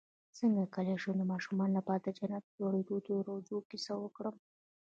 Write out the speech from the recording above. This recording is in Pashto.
څنګه کولی شم د ماشومانو لپاره د جنت لوړو درجو کیسه وکړم